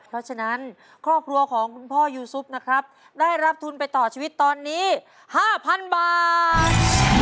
เพราะฉะนั้นครอบครัวของคุณพ่อยูซุปนะครับได้รับทุนไปต่อชีวิตตอนนี้๕๐๐๐บาท